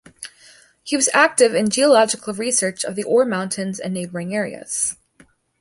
He was active in geological research of the Ore Mountains and neighbouring areas.